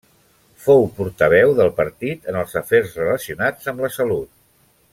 Fou portaveu del partit en els afers relacionats amb la salut.